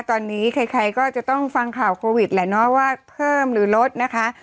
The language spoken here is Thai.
ตอนนี้ใครก็จะต้องฟังข่าวโควิดแหละเนาะว่าเพิ่มหรือลดนะคะ